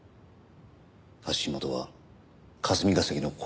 発信元は霞が関の公衆電話。